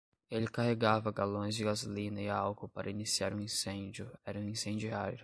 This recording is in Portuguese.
Ele carregava galões de gasolina e álcool para iniciar um incêndio, era um incendiário